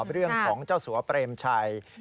เรื่องของเจ้าสัวเปรมชัย